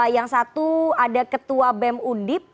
yang satu ada ketua bem undip